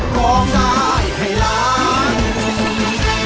ของได้ให้รัก